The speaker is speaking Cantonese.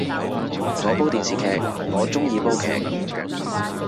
我煲電視劇，我鍾意煲劇